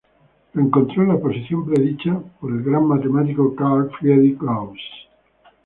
Lo encontró en la posición predicha por el gran matemático Carl Friedrich Gauss.